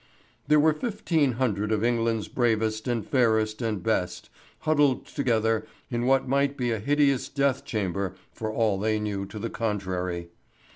There were fifteen hundred of England's bravest, and fairest, and best, huddled together in what might be a hideous deathchamber for all they knew to the contrary.